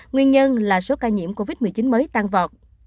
nguyên nhân là số ca nhiễm covid một mươi chín mới tăng vọt